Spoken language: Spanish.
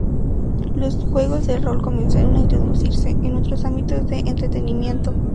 Los juegos de rol comenzaron a introducirse en otros ámbitos de entretenimiento.